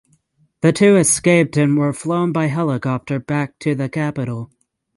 The two escaped and were flown by helicopter back to the capital.